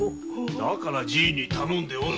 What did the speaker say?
だからじいに頼んでおる。